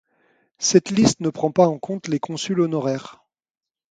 Cette liste ne prend pas en compte les consuls honoraires.